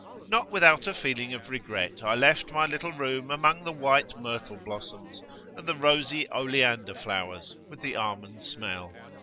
Not without a feeling of regret I left my little room among the white myrtle blossoms and the rosy oleander flowers with the almond smell.